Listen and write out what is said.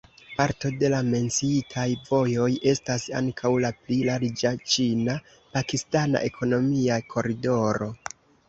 Parto de la menciitaj vojoj estas ankaŭ la pli larĝa ĉina-pakistana ekonomia koridoro.